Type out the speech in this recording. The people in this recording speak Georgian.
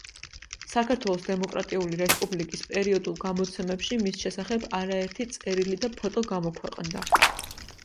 საქართველოს დემოკრატიული რესპუბლიკის პერიოდულ გამოცემებში მის შესახებ არაერთი წერილი და ფოტო გამოქვეყნდა.